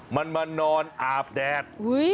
มันมานอนอาบแดด